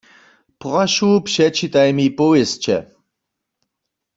Prošu předčitaj mi powěsće.